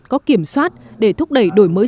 có kiểm soát để thúc đẩy đổi mới